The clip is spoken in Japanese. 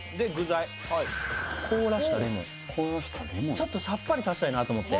ちょっとさっぱりさせたいなと思って。